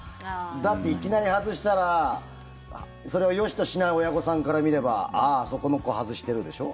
だって、いきなり外したらそれをよしとしない親御さんから見ればああ、あそこの子外してるでしょ？